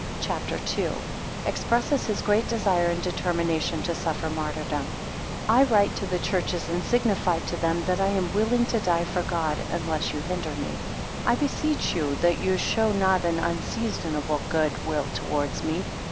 CHAPTER. II. Expresses his great desire and determination to suffer martyrdom. I WRITE to the churches, and signify to them all, that I am willing to die for God, unless you hinder me. 2 I beseech you that you show not an unseasonable good will towards me.